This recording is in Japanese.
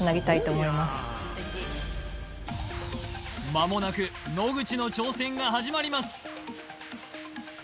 まもなく野口の挑戦が始まります